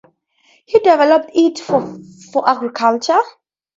He developed it for agriculture.